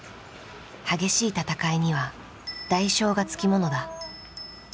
激しい戦いには代償が付き物だ。